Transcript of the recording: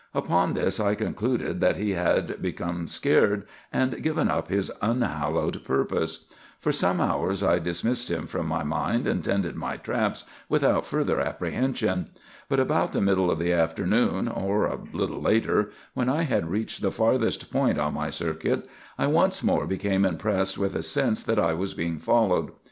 "Upon this I concluded that he had become scared, and given up his unhallowed purpose. For some hours I dismissed him from my mind, and tended my traps without further apprehension. But about the middle of the afternoon, or a little later, when I had reached the farthest point on my circuit, I once more became impressed with a sense that I was being followed.